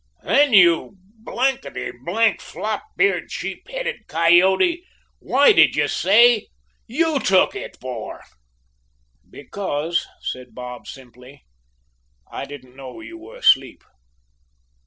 "'Then, you blankety blank, flop eared, sheep headed coyote, what did you say you took it, for?' "'Because,' said Bob, simply, 'I didn't know you were asleep.'